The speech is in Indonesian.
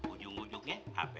ujung ujungnya apa ya